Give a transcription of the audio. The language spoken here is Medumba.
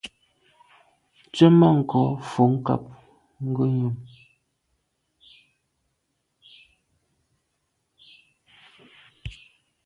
Tswemanko fo nkàb ngùyàm.